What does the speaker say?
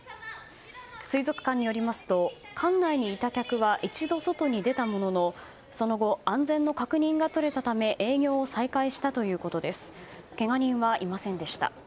水族館によりますと館内にいた客は一度、外に出たもののその後、安全の確認が取れたため営業を再開したということです。